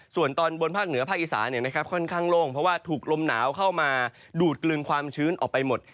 ส่วนตอนบนภาคเหนือภาคอีสานค่อนข้างโล่งเพราะว่าถูกลมหนาวเข้ามาดูดกลึงความชื้นออกไปหมด